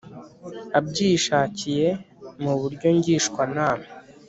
Abyishakiye mu buryo ngishwanama